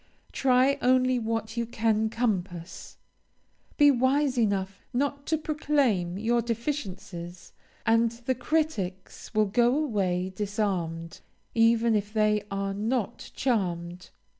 Try only what you can compass. Be wise enough not to proclaim your deficiencies, and the critics will go away disarmed, even if they are not charmed.